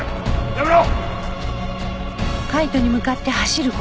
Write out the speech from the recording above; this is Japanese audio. やめろ！